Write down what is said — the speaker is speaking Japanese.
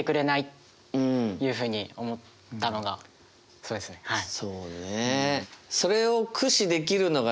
そうねえ。